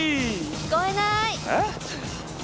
聞こえない。